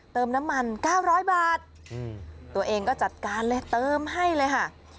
เติมน้ำมัน๙๐๐บาทตัวเองก็จัดการเลยเติมให้เลยค่ะ